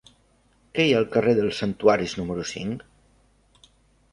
Què hi ha al carrer dels Santuaris número cinc?